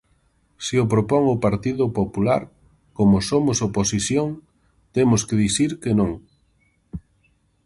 Se o propón o Partido Popular, como somos oposición, temos que dicir que non.